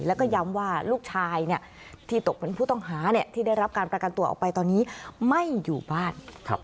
แล้วก็ย้ำว่าลูกชายที่ตกเป็นผู้ต้องหาที่ได้รับการประกันตัวออกไปตอนนี้ไม่อยู่บ้าน